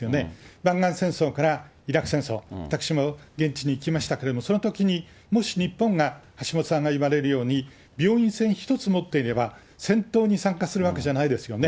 湾岸戦争からイラク戦争、私も現地に行きましたけれども、そのときに、もし日本が、橋下さんが言われるように、病院船１つ持っていれば戦闘に参加するわけじゃないですよね。